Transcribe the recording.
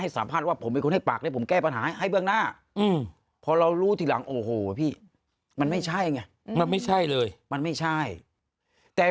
ที่เราเข้าไปแล้วก็เหมือนว่าเอาเนี่ยเป็นที่ยิดเหนียว